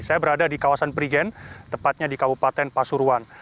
saya berada di kawasan perigen tepatnya di kabupaten pasuruan